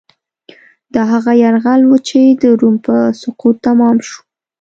دا هغه یرغل و چې د روم په سقوط تمام شو.